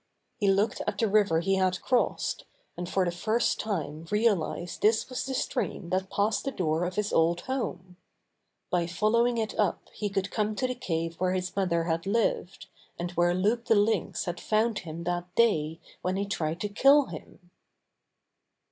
He looked at the river he had crossed, and for the first time realized this was the stream that passed the door of his old home. By follow ing it up he could come to the cave where his Buster Returns to North Woods 131 mother had lived, and where Loup the Lynx had found him that day when he tried to kill him.